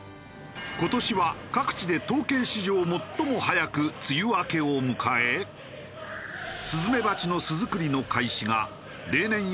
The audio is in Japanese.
今年は各地で統計史上最も早く梅雨明けを迎えスズメバチの巣作りの開始が例年より早まったという。